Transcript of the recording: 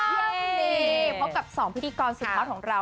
เพราะกับสองพิธีกรสุดท้ายของเรา